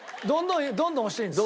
どんどん押していいんです。